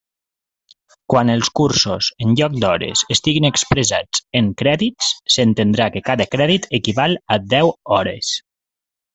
Quan els cursos, en lloc d'hores, estiguin expressats en crèdits, s'entendrà que cada crèdit equival a deu hores.